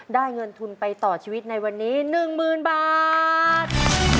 เงินทุนไปต่อชีวิตในวันนี้๑๐๐๐บาท